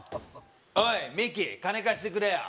おいミキ金貸してくれよ